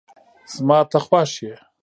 زما ته خوښ یی